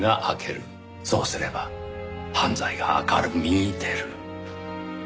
そうすれば犯罪が明るみに出る。